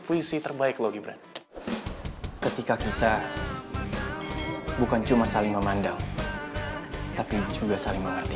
puisi terbaik logi brand ketika kita bukan cuma saling memandang tapi juga saling mengerti